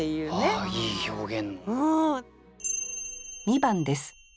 ああいい表現。